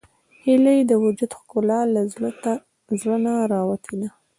هیلۍ د وجود ښکلا له زړه نه راوتې ده